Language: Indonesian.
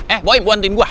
eh boim bantuin gue